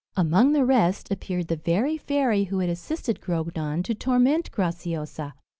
Among the rest, appeared the very fairy who had assisted Grognon to torment Graciosa.